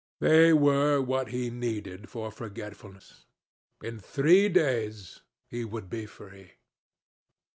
They were what he needed for forgetfulness. In three days he would be free.